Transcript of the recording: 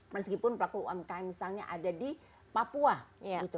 meskipun pelaku umkm misalnya ada di papua gitu